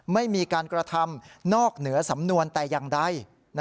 ไม่มีการกระทำนอกเหนือสำนวนแต่อย่างใด